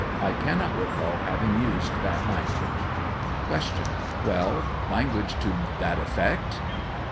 I cannot recall having used that language. Q. Well, language to that effect